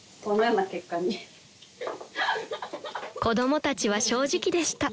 ［子供たちは正直でした］